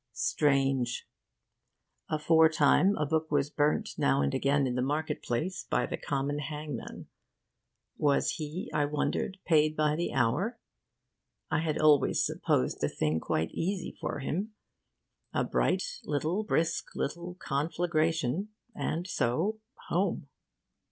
Strange! Aforetime, a book was burnt now and again in the market place by the common hangman. Was he, I wondered, paid by the hour? I had always supposed the thing quite easy for him a bright little, brisk little conflagration, and so home.